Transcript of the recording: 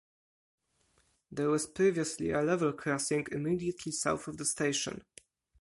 There was previously a level crossing immediately south of the station.